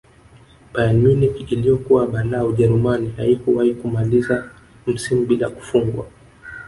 bayern munich iliyokuwa balaa ujerumani haikuwahi kumaliza msimu bila kufungwa